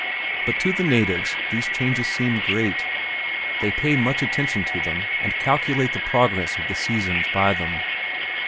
But to the natives these changes seem great, they pay much attention to them and calculate the progress of the seasons by them.